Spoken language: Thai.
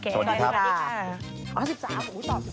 โทษดีครับ